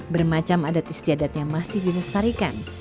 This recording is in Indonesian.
bermacam adat istiadatnya masih dilestarikan